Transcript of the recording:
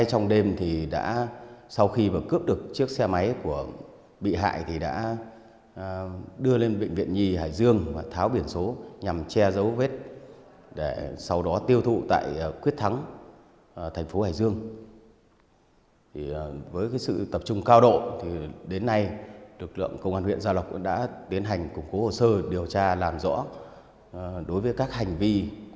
cảm ơn quý vị đã theo dõi và đăng ký kênh để ủng hộ kênh của quý vị